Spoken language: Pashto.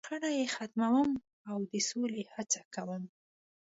.شخړې یې ختموم، او د سولې هڅه کوم.